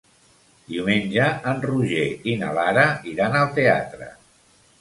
Diumenge en Roger i na Lara iran al teatre.